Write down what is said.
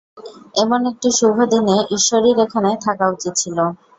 এমন একটি শুভ দিনে ঈশ্বরীর এখানে থাকা উচিত ছিল।